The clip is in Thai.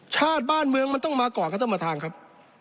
ชาติบ้านเมืองมันต้องมาก่อนครับท่านประธานครับ